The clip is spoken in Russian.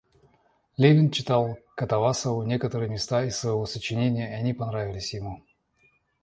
Левин читал Катавасову некоторые места из своего сочинения, и они понравились ему.